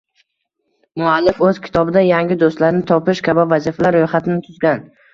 Muallif o‘z kitobida yangi do‘stlarni topish kabi vazifalar ro‘yxatini tuzgan